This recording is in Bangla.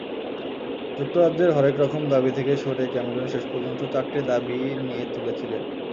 যুক্তরাজ্যের হরেক রকম দাবি থেকে সরে ক্যামেরন শেষ পর্যন্ত চারটি দাবি নিয়ে তুলেছিলেন।